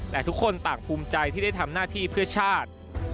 แต่ทุกคนต่างภูมิใจที่ได้ทำหน้าที่เพื่อชาติ